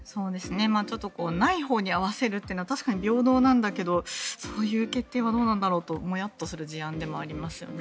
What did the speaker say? ちょっとないほうに合わせるというのは確かに平等なんだけどそういう決定はどうなんだろうとモヤッとする事案でもありますよね。